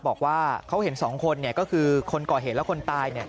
บอกว่าเขาเห็นสองคนเนี่ยก็คือคนก่อเหตุและคนตายเนี่ย